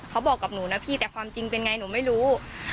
เขาบอกกับหนูนะพี่แต่ความจริงเป็นไงหนูไม่รู้